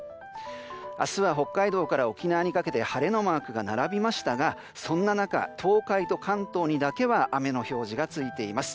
明日は北海道から沖縄にかけて晴れのマークが並びましたがそんな中、東海と関東にだけは雨の表示がついています。